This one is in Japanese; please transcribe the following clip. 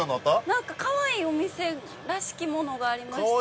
◆何かかわいいお店らしきものがありました。